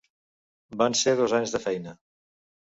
Van ser dos anys de feina.